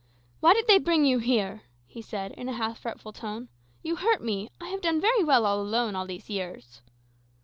"Why did they bring you here?" he said, in a half fretful tone. "You hurt me. I have done very well alone all these years."